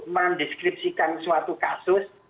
mendeskripsikan suatu kasus